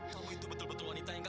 kamu itu betul betul wanita yang gak